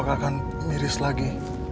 apakah akan miris lagi